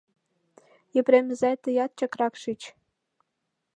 Епрем изай, тыят чакрак шич.